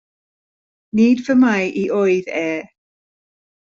Nid fy mai i oedd e!